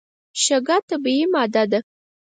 شګه طبیعي ماده ده.